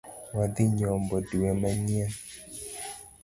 Wadhi nyombo dwe manyien.